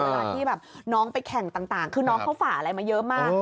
เวลาที่แบบน้องไปแข่งต่างคือน้องเขาฝ่าอะไรมาเยอะมาก